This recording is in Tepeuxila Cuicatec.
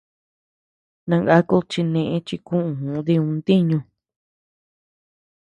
Nangakud chi neʼe chi kuʼuu diuu ntiñu.